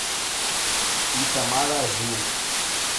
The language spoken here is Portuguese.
Itamaraju